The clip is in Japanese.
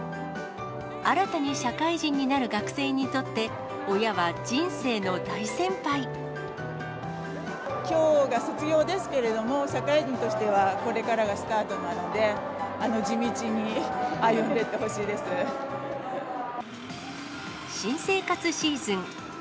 新たに社会人になる学生にときょうが卒業ですけれども、社会人としてはこれからがスタートなので、新生活シーズン。